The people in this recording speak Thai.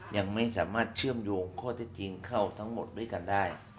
ยังไม่สามารถเชื่อมโยงข้อเท็จจริงเข้าทั้งหมดด้วยกันได้